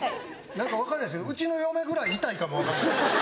何か分からないですけどうちの嫁ぐらい痛いかも。